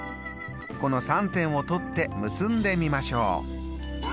この３点を取って結んでみましょう。